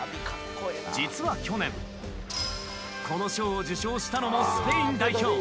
実は去年、この賞を受賞したのもスペイン代表。